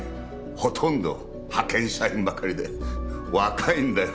ほとんど派遣社員ばかりで若いんだよ